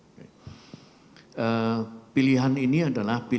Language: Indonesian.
pilihan ini adalah pilihan yang menurut saya sih tidak terlalu berhasil